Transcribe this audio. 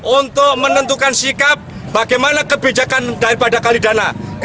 untuk menentukan sikap bagaimana kebijakan daripada kalidana